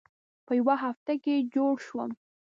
په یوه هفته کې جوړ شوم.